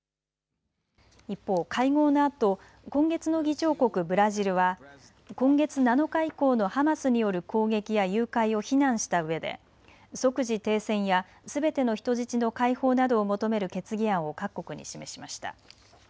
一方、会合のあと今月の議長国、ブラジルは今月７日以降のハマスによる攻撃や誘拐を非難したうえで即時停戦やすべての人質の解放などを求める決議案を各国に示しました。